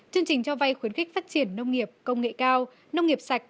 chương trình cho vay khuyến khích phát triển nông nghiệp công nghệ cao nông nghiệp sạch